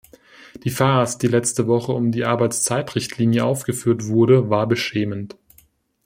Die Farce, die letzte Woche um die Arbeitszeitrichtlinie aufgeführt wurde, war beschämend.